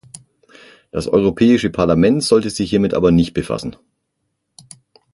Das Europäische Parlament sollte sich hiermit aber nicht befassen.